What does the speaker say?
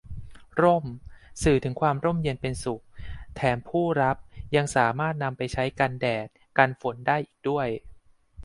ร่ม สื่อถึงความร่มเย็นเป็นสุข แถมผู้รับยังสามารถนำไปใช้กันแดด กันฝนได้อีกด้วย